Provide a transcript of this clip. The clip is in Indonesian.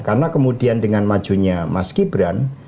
karena kemudian dengan majunya mas gibran